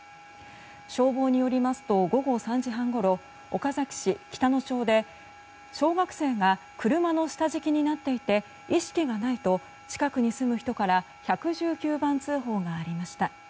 消防によりますと午後３時半ごろ岡崎市北野町で小学生が車の下敷きになっていて意識がないと近くに住む人から１１９番通報がありました。